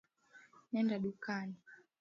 Nenda dukani